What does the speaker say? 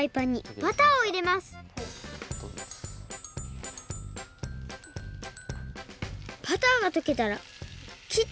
バターがとけたらきった